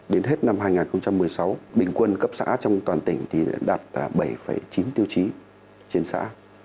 đến hết năm hai nghìn một mươi sáu bình quân cấp xã trong toàn tỉnh thì đạt bảy chín tiêu chí trên xã